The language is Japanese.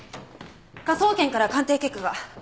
科捜研から鑑定結果が。